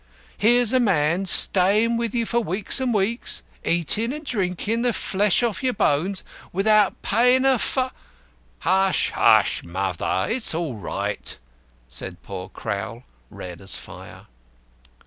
Here's a man stayin' with you for weeks and weeks eatin' and drinkin' the flesh off your bones without payin' a far " "Hush, hush, mother; it's all right," said poor Crowl, red as fire.